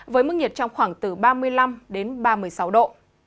với mức nhiệt trong khoảng từ ba mươi năm đến ba mươi sáu độ